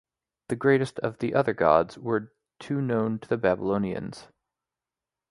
The greatest of the other gods were two known to the Babylonians.